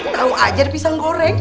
tahu aja di pisang goreng